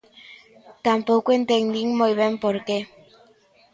Tampouco entendín moi ben por que.